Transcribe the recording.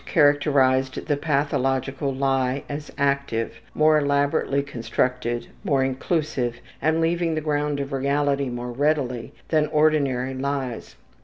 Vogt characterized the pathological lie as active, more elaborately constructed, more inclusive, and leaving the ground of reality more readily than ordinary lies.